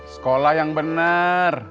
sekolah yang bener